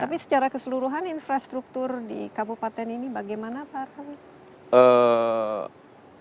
tapi secara keseluruhan infrastruktur di kabupaten ini bagaimana pak romi